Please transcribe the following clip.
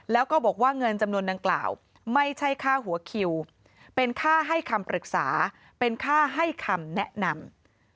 แล้วก็บอกว่าเงินจำนวนดังกล่าวไม่ใช่ค่าหัวคิวเป็นค่าให้คำปรึกษาเป็นค่าให้คำแนะนำ